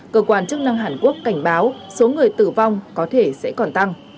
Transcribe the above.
cơ quan chức năng hàn quốc cảnh báo số người tử vong có thể sẽ còn tăng